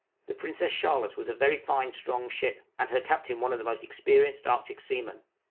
The 'Princess Charlotte' was a very fine, strong ship, and her captain one of the most experienced Arctic seamen.